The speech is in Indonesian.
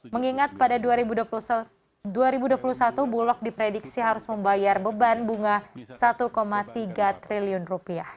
mengingat pada dua ribu dua puluh satu bulog diprediksi harus membayar beban bunga satu tiga triliun rupiah